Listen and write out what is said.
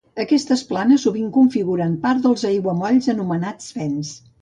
Aquestes planes sovint configuren part dels aiguamolls anomenats Fens.